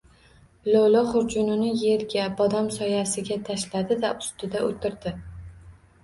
Lo‘li xurjunini yerga — bodom soyasiga tashladi-da, ustida o‘tirdi.